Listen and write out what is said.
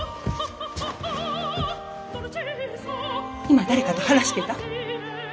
今誰かと話してた？